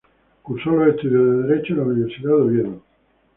Cursó los estudios de Derecho en la Universidad de Oviedo.